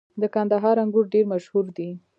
• د کندهار انګور ډېر مشهور دي.